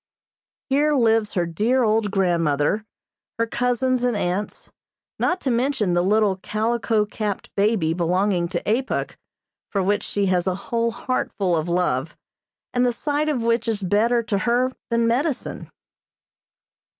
Here lives her dear, old grandmother, her cousins and aunts, not to mention the little calico capped baby belonging to Apuk, for which she has a whole heartful of love, and the sight of which is better to her than medicine.